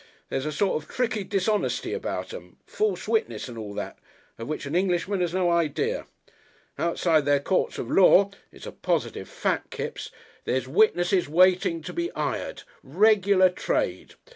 There's a sort of tricky dishonesty about 'em false witness and all that of which an Englishman has no idea. Outside their courts of law it's a pos'tive fact, Kipps there's witnesses waitin' to be 'ired. Reg'lar trade.